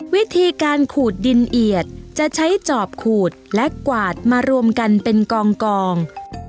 วิธีการขูดดินเอียดจะใช้จอบขูดและกวาดมารวมกันเป็นกอง